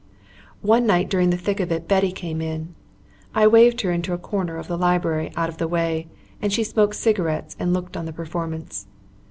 One night during the thick of it Betty came in. I waved her into a corner of the library out of the way, and she smoked cigarettes and looked on at the performance.